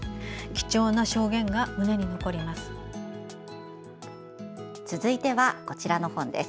貴重な証言が胸に残ります。